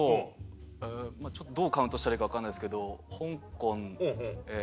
どうカウントしたらいいか分かんないですけど。